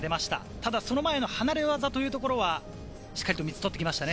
ただ、その前の離れ技というところは、しっかりと３つ、取ってきましたね。